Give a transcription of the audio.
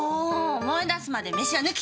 思い出すまでメシは抜き！